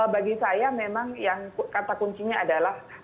bagi saya memang yang kata kuncinya adalah hak konsentrasi